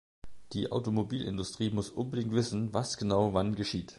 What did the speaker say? Die Automobilindustrie muss unbedingt wissen, was genau wann geschieht.